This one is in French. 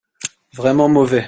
Vraiment mauvais.